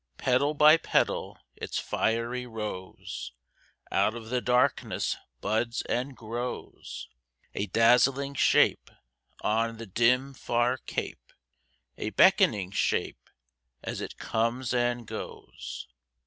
Petal by petal its fiery rose Out of the darkness buds and grows; A dazzling shape on the dim, far cape, A beckoning shape as it comes and goes.